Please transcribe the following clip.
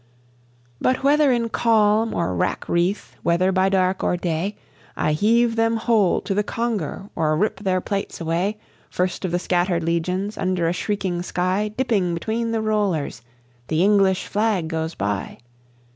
"But whether in calm or wrack wreath, whether by dark or day, I heave them whole to the conger or rip their plates away, First of the scattered legions, under a shrieking sky, Dipping between the rollers, the English Flag goes by.